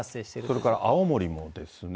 それから青森もですね。